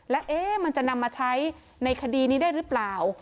แล้วมันจะนำมาใช้ในคดีนี้ได้หรือเปล่า